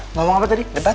ngomong apa tadi debat